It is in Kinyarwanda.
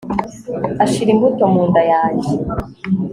ashira imbuto mu nda yanjye